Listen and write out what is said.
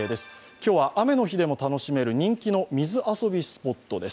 今日は雨の日でも楽しめる人気の水遊びスポットです。